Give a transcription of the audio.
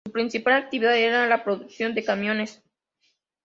Su principal actividad era la producción de camiones.